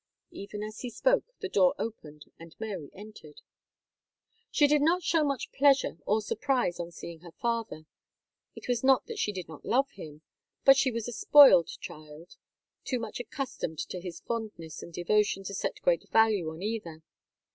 Even as he spoke, the door opened, and Mary entered. She did not show much pleasure or surprise on seeing her father; it was not that she did not love him, but she was a spoiled child, too much accustomed to his fondness and devotion to set great value on either.